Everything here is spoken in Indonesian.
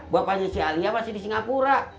bapaknya si alia masih di singapura